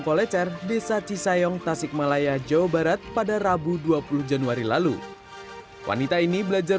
kolecer desa cisayong tasikmalaya jawa barat pada rabu dua puluh januari lalu wanita ini belajar